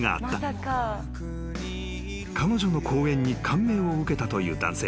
［彼女の講演に感銘を受けたという男性